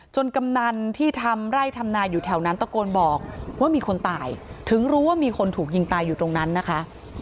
กำนันที่ทำไร่ทำนาอยู่แถวนั้นตะโกนบอกว่ามีคนตายถึงรู้ว่ามีคนถูกยิงตายอยู่ตรงนั้นนะคะ